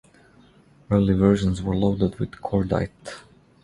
Early versions were loaded with cordite.